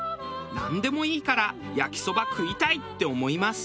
なんでもいいから焼きそば食いたいって思います。